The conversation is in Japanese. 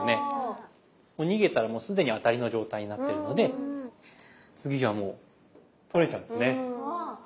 逃げたらもう既にアタリの状態になってるので次じゃあもう取れちゃうんですね。